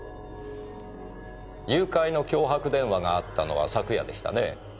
誘拐の脅迫電話があったのは昨夜でしたね。